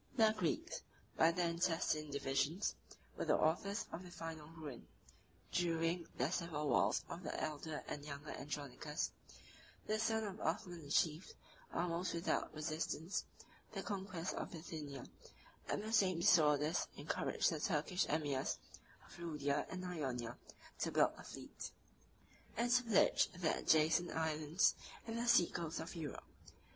] The Greeks, by their intestine divisions, were the authors of their final ruin. During the civil wars of the elder and younger Andronicus, the son of Othman achieved, almost without resistance, the conquest of Bithynia; and the same disorders encouraged the Turkish emirs of Lydia and Ionia to build a fleet, and to pillage the adjacent islands and the sea coast of Europe.